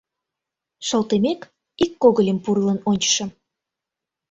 Шолтымек, ик когыльым пурлын ончышым.